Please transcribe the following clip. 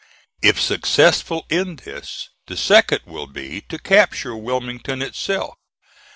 If successful in this, the second will be to capture Wilmington itself.